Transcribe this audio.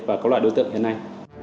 và các loại đối tượng hiện nay